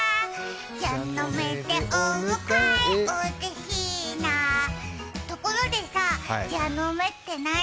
蛇の目でお迎えうれしいなところでさ、蛇の目って何？